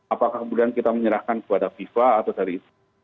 apakah kemudian kita menyerahkan kepada fifa atau dari